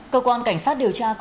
cơ quan cảnh sát điều tra công an